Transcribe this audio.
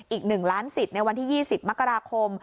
อีก๑ล้านสิทธิ์ในวันที่๒๐มกราคม